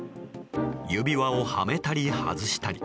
指輪をはめたり外したり。